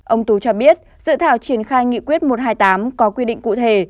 ông tú cho biết dự thảo triển khai nghị quyết một trăm hai mươi tám có quy định cụ thể